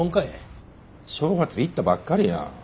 正月行ったばっかりやん。